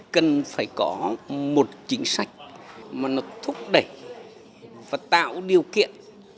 cần phải có một chính sách mà nó thúc đẩy và tạo điều kiện